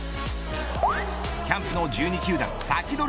キャンプの１２球団サキドリ！